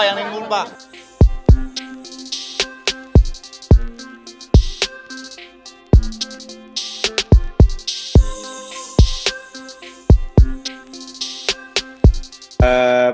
ini yang harus dikira